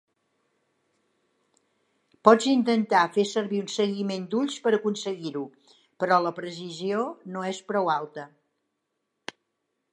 Pots intentar fer servir un seguiment d'ulls per aconseguir-ho, però la precisió no és prou alta.